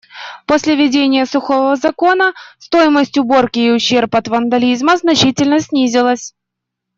После введения сухого закона стоимость уборки и ущерб от вандализма значительно снизились.